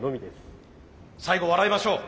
最後笑いましょう。